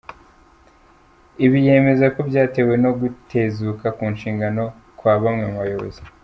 Ibi yemeza ko byatewe no gutezuka ku nshingano kwa bamwe mu bayobozi.